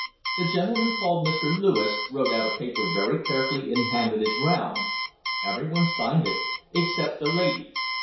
"The gentleman called Mr. Lewis wrote out a paper very carefully and handed it round. Every one signed it except the lady.